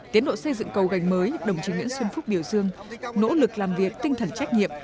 tiến độ xây dựng cầu gành mới đồng chí nguyễn xuân phúc biểu dương nỗ lực làm việc tinh thần trách nhiệm